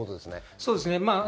そうですね。